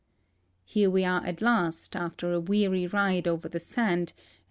Here we are at last, after a weary ride over the sand and.